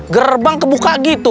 gerbang kebuka gitu